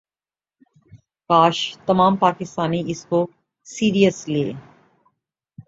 کاش تمام پاکستانی اس کو سیرس لیے